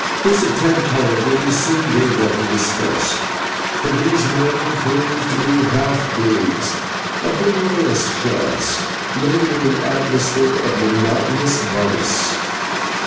This attempt, however, he soon gave up in disgust, for these men proved to be half breeds of the lowest class, living in an atmosphere of monotonous vice.